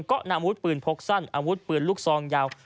ก็นำอาวุธปืนพกสั้นอาวุธปืนลูกซองยาว